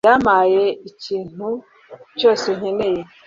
yampaye ikintu cyose nkeneye